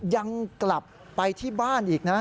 ยังกลับไปที่บ้านอีกนะ